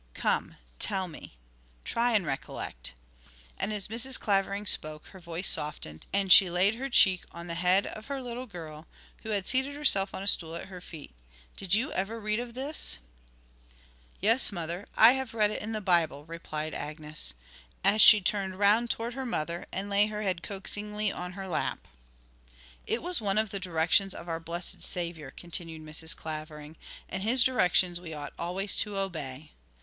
Come, tell me; try and recollect.' And as Mrs. Clavering spoke her voice softened, and she laid her cheek on the head of her little girl, who had seated herself on a stool at her feet. 'Did you ever read of this?' 'Yes, mother, I have read it in the Bible,' replied Agnes, as she turned round towards her mother, and laid her head coaxingly on her lap. 'It was one of the directions of our blessed Saviour,' continued Mrs. Clavering, 'and His directions we ought always to obey.